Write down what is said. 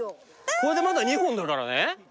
これでまだ２本だからね。